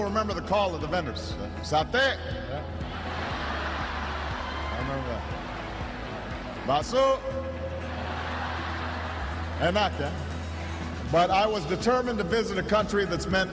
membeli sate dan bakso dari pembela jalanan